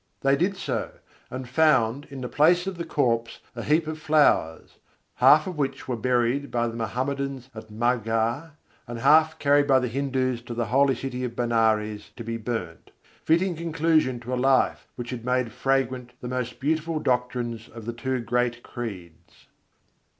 They did so, and found in the place of the corpse a heap of flowers; half of which were buried by the Mohammedans at Maghar, and half carried by the Hindus to the holy city of Benares to be burned fitting conclusion to a life which had made fragrant the most beautiful doctrines of two great creeds.